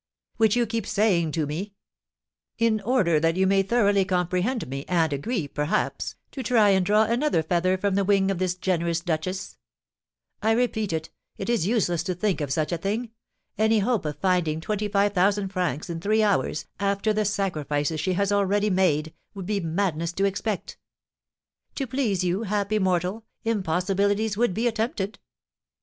'" "Which you keep saying to me " "In order that you may thoroughly comprehend me, and agree, perhaps, to try and draw another feather from the wing of this generous duchess." "I repeat, it is useless to think of such a thing. Any hope of finding twenty five thousand francs in three hours, after the sacrifices she has already made, would be madness to expect." "To please you, happy mortal, impossibilities would be attempted!"